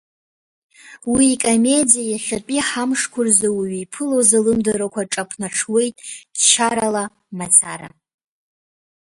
Уи икомедиа иахьатәи ҳамшқәа рзы ауаҩы иԥыло азалымдарақәа ҿаԥнаҽуеит ччарала мацара.